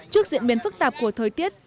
trước diễn biến phức tạp của thời tiết